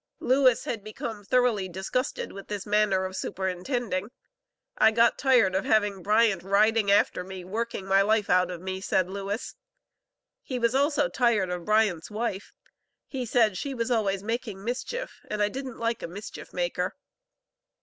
Lewis had become thoroughly disgusted with this manner of superintending. "I got tired of having Bryant riding after me, working my life out of me," said Lewis. He was also tired of Bryant's wife; he said "she was always making mischief, and he didn't like a mischief maker."